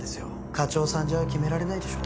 課長さんじゃ決められないでしょ？